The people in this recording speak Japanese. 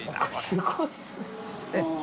すごいですね